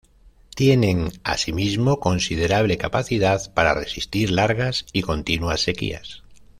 Tienen, asimismo, considerable capacidad para resistir largas y continuas sequías.